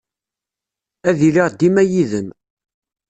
Ad iliɣ dima yid-m.